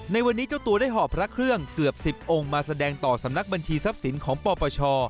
ในวันนี้เจ้าตัวได้หอบพระเครื่องเกือบ๑๐องค์มาแสดงต่อสำนักบัญชีทรัพย์สินของปปช